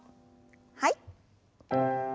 はい。